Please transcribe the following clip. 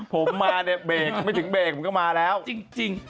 ผมมาเนี่ยเบรกไม่ถึงเบรกผมก็มาแล้วจริง